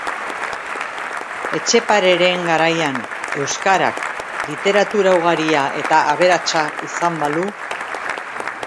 Etxepareren garaian euskarak literatura ugaria eta aberatsa izan balu.